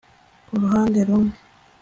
ku ruhande rumwe